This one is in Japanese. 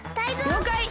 りょうかい！